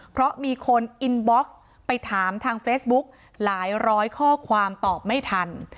เพราะมีคนอินบ็อกซ์ไปถามทางเฟซบุ๊กหลายร้อยข้อความตอบไม่ทัน